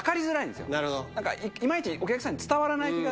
いまいちお客さんに伝わらない気がする。